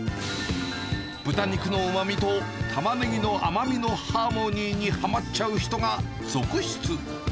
豚肉のうまみと、タマネギの甘みのハーモニーにはまっちゃう人が続出。